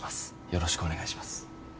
よろしくお願いします。